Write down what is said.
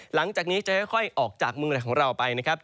หลังจากนี้จะค่อยออกจากเมืองไทยของเราไปนะครับ